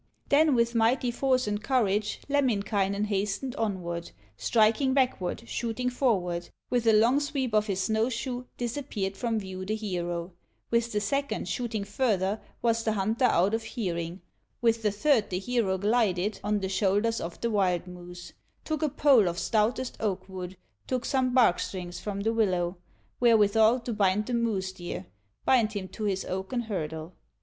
Then with mighty force and courage, Lemminkainen hastened onward, Striking backward, shooting forward; With a long sweep of his snow shoe, Disappeared from view the hero; With the second, shooting further, Was the hunter out of hearing; With the third the hero glided On the shoulders of the wild moose; Took a pole of stoutest oak wood, Took some bark strings from the willow, Wherewithal to bind the moose deer, Bind him to his oaken hurdle.